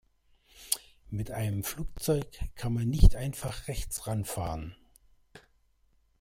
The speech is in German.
Mit einem Flugzeug kann man nicht einfach rechts ran fahren.